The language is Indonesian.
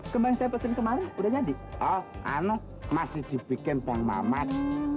kembang saya pesan kemarin udah jadi oh ano masih dibikin bang mamat